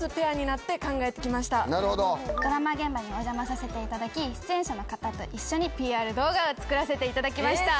ドラマ現場にお邪魔させていただき出演者の方と一緒にＰＲ動画を作らせていただきました。